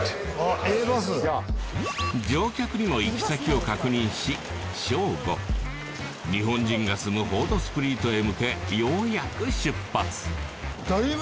乗客にも行き先を確認し正午日本人が住むホードスプリートへ向けようやく出発